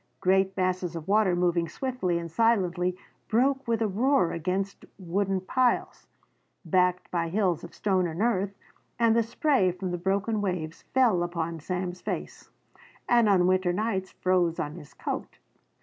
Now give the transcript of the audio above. Great masses of water moving swiftly and silently broke with a roar against wooden piles, backed by hills of stone and earth, and the spray from the broken waves fell upon Sam's face and on winter nights froze on his coat.